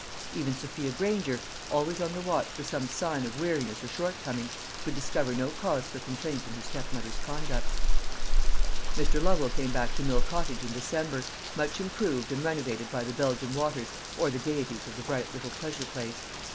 Even Sophia Granger, always on the watch for some sign of weariness or shortcoming, could discover no cause for complaint in her stepmother's conduct. Mr. Lovel came back to Mill Cottage in December, much improved and renovated by the Belgian waters or the gaieties of the bright little pleasure place.